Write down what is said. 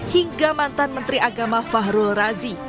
hingga mantan menteri agama fahrul razi